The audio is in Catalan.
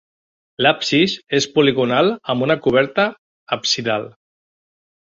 L'absis és poligonal amb una coberta absidal.